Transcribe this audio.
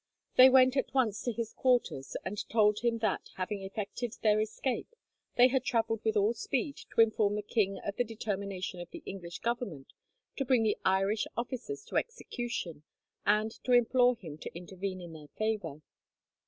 They went at once to his quarters and told him that, having effected their escape, they had travelled with all speed to inform the king of the determination of the English Government to bring the Irish officers to execution, and to implore him to intervene in their favour.